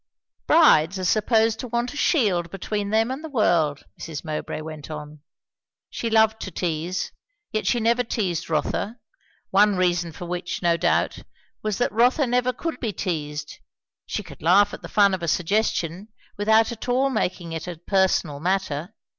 "Brides are supposed to want a shield between them and the world," Mrs. Mowbray went on. She loved to tease, yet she never teased Rotha; one reason for which, no doubt, was that Rotha never could be teased. She could laugh at the fun of a suggestion, without at all making it a personal matter.